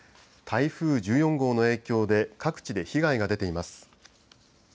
台風１４号の影響で各地で被害が出ています。